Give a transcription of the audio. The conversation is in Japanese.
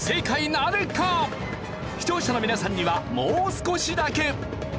視聴者の皆さんにはもう少しだけ。